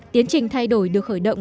tiến trình thay đổi được khởi động